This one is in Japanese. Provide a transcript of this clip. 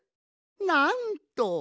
なんと！